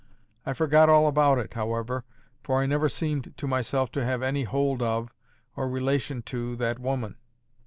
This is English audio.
I forgot all about it, however, for I never seemed to myself to have any hold of, or relation to, that woman.